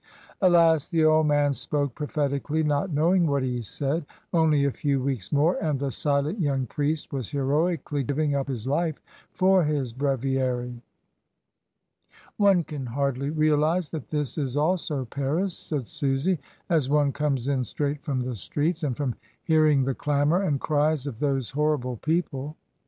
Alas ! the old man spoke prophetically, not know ing what he said. Only a few weeks more and the silent young priest was heroically giving up his life for his breviary. "One can hardly realise that this is also Paris," said Susy, "as one comes in straight from the streets, and from hearing the clamour and cries of those horrible people."